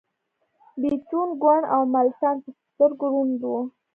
بیتووین کوڼ و او ملټن په سترګو ړوند و